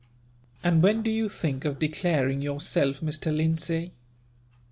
"And when do you think of declaring yourself Mr. Lindsay?"